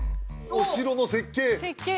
お城の設計設計？